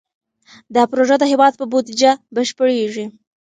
دا پروژه د هېواد په بودیجه بشپړېږي.